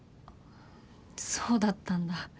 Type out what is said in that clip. そうだったんだ。